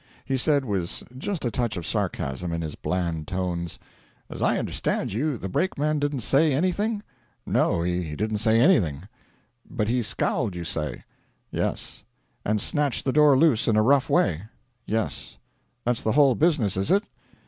He said, with just a touch of sarcasm in his bland tones: 'As I understand you, the brakeman didn't say anything?' 'No, he didn't say anything.' 'But he scowled, you say?' 'Yes.' 'And snatched the door loose in a rough way?' 'Yes.' 'That's the whole business, is it?'